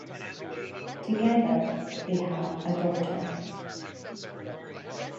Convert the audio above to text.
Together they have a daughter.